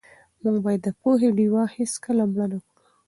موږ باید د پوهې ډېوه هېڅکله مړه نه کړو.